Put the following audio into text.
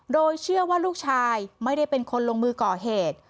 โดยเชื่อว่าลูกชายไม่ได้เป็นคนลงมือก่อเหตุ